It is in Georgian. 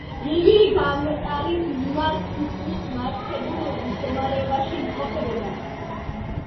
იგი გამტარის მიმართ თითქმის მართობულ მდგომარეობაში იმყოფებოდა.